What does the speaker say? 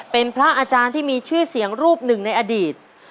เป็นพระอาจารย์ที่มีชื่อเสียงรูปหนึ่งในอดีต